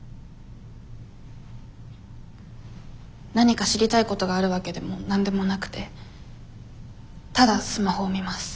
何か知りたいことがあるわけでも何でもなくてただスマホを見ます。